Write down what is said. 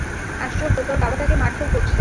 আশ্চর্য তোর বাবা তাকে মারধর করছে।